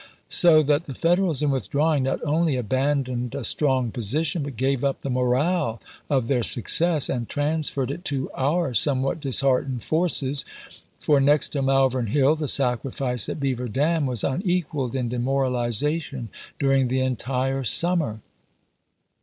So that the Federals in withdrawing not only abandoned "^nd^^^ a strong position, but gave up the morale of their sue ^oTthe^ cess, and transferred it to our somewhat disheartened Ciyii war," Vol. II., forces ; for, next to Malvern Hill, the sacrifice at Beaver p 398. Dam was unequaled in demoralization during the entire summer.